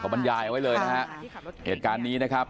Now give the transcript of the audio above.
บรรยายเอาไว้เลยนะฮะเหตุการณ์นี้นะครับ